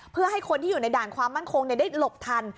เพื่อให้คนที่อยู่ในด่านความมั่นคงได้หลบทัน